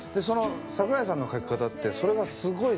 桜井さんの書き方ってそれがすごい。